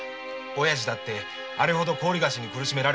親父だってあれほど高利貸しに苦しめられたんです。